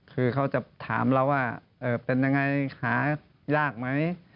คือเขาจะถามเราว่าเป็นยังไงหายากไหม